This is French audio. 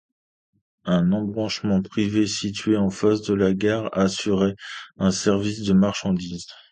Un embranchement privé situé en face de la gare assurait un service de marchandises.